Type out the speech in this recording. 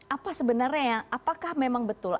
apa sebenarnya yang apakah memang betul